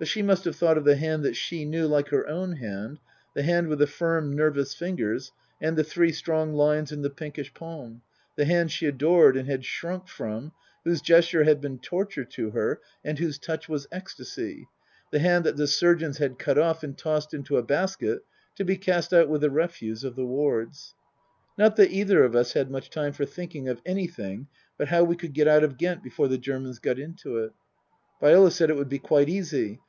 But she must have thought of the hand that she knew like her own hand, the hand with the firm, nervous fingers, and the three strong lines in the pinkish palm, the hand she adored and had shrunk from, whose gesture had been torture to her and whose touch was ecstasy, the hand that the surgeons had cut off and tossed into a basket to be cast out with the refuse of the wards. Not that either of us had much time for thinking of anything but how we could get out of Ghent before the Germans got into it. Viola said it would be quite easy.